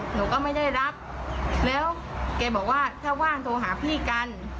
หนูก็ไม่ได้รับแล้วแกบอกว่าถ้าว่างโทรหาพี่กัน